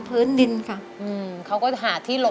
ทั้งในเรื่องของการทำงานเคยทำนานแล้วเกิดปัญหาน้อย